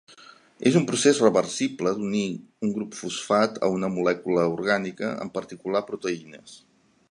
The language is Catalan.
És un procés reversible d'unir un grup fosfat a una molècula orgànica, en particular proteïnes.